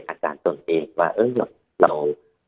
ถ้าไม่สบายใต้หวัดถึงหวัดอย่างก็ควรจะอยู่นานอยู่เสีย